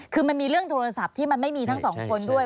คือมันมีเรื่องโทรศัพท์ที่มันไม่มีทั้งสองคนด้วย